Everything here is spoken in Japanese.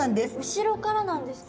後ろからなんですか？